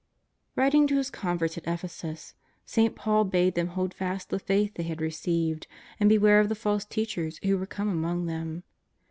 " Writing to his converts at Ephesus, St. Paul bade them hold fast the faith they had received, and beware of the false teachers who were come among them.